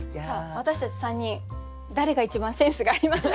私たち３人誰が一番センスがありましたか？